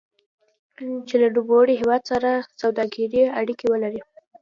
چې له نوموړي هېواد سره سوداګریزې اړیکې ولري.